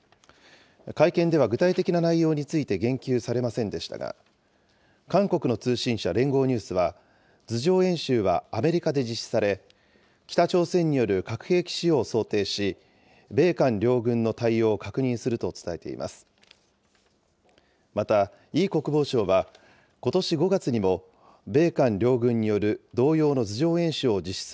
会見では具体的な内容について言及されませんでしたが、韓国の通信社、連合ニュースは、図上演習はアメリカで実施され、北朝鮮による核兵器使用を想定し、米韓両軍の対応を確認すると伝えています。